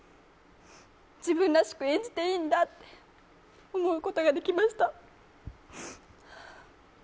自分らしく演じていいんだって思うことができました。